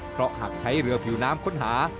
เพราะหากใช้เรือผิวน้ำค้นหา